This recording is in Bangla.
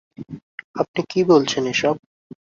আপনি কি বলছেন এসব?